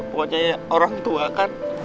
pokoknya orang tua kan